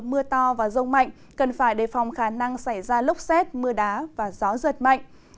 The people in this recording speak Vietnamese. mưa to và rông mạnh cần phải đề phòng khả năng xảy ra lốc xét mưa đá và gió giật mạnh